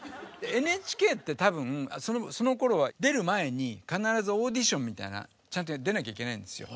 ＮＨＫって多分そのころは出る前に必ずオーディションみたいなのちゃんと出なきゃいけないんですよ。